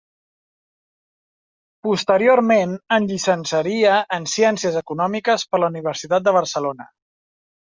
Posteriorment en llicenciaria en ciències econòmiques per la Universitat de Barcelona.